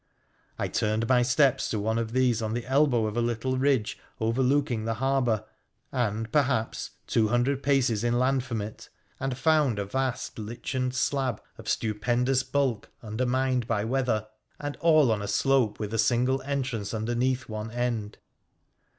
I turned my steps to one of these on the elbow of a little ride;e overlooking the harbour and, perhaps, two hundred paces inland from it, and found a vast lichened slab of stupendous bulk undermined by weather, and all on a slope with a single entrance underneath one end.